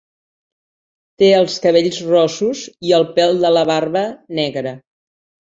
Té els cabells rossos i el pèl de la barba negre.